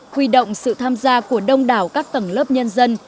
huy động sự tham gia của đông đảo các tầng lớp nhân dân